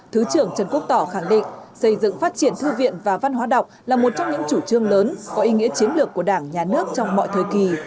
thứ trưởng trần quốc tỏ khẳng định xây dựng phát triển thư viện và văn hóa đọc là một trong những chủ trương lớn có ý nghĩa chiến lược của đảng nhà nước trong mọi thời kỳ